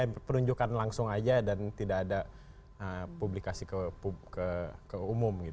ya penunjukan langsung aja dan tidak ada publikasi ke umum